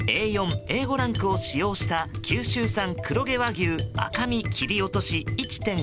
Ａ４、Ａ５ランクを使用した九州産黒毛和牛赤身切り落とし１．５ｋｇ。